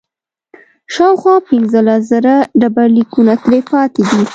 شاوخوا پنځلس زره ډبرلیکونه ترې پاتې دي